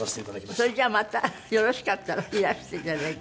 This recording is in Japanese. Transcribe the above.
それじゃあまたよろしかったらいらしていただいて。